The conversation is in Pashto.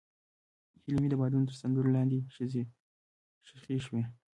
هیلې مې د بادونو تر سندرو لاندې ښخې شوې.